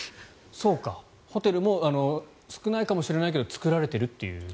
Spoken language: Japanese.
ホテルも少ないかもしれないけど作られているっていう。